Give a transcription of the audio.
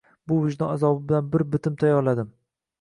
Bu vijdon azobi bilan bir bitim tayyorladim